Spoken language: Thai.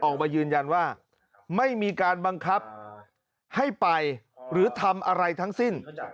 ออกมายืนยันว่าไม่มีการบังคับให้ไปหรือทำอะไรทั้งสิ้น